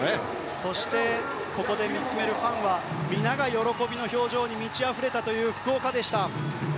そしてここで見つめるファンは皆が喜びの表情に満ちあふれたという福岡でした。